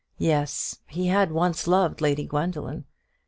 Yes; he had once loved Lady Gwendoline.